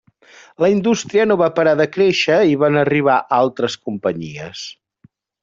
La indústria no va parar de créixer i van arribar altres companyies.